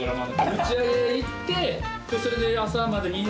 打ち上げ行ってそれで。